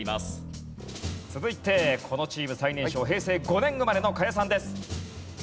続いてこのチーム最年少平成５年生まれの賀屋さんです。